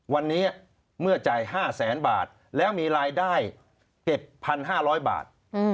วันนี้เมื่อจ่าย๕แสนบาทแล้วมีรายได้เก็บ๑๕๐๐บาท